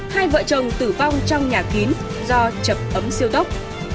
hai vợ chồng tử vong trong nhà kín do chập ấm siêu tốc